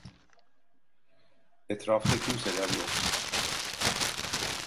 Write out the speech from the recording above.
Etrafta kimseler yoktu.